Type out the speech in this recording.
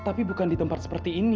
tapi bukan di tempat seperti ini